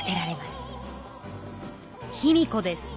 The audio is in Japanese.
卑弥呼です。